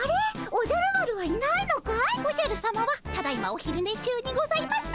おじゃるさまはただいまおひるね中にございます。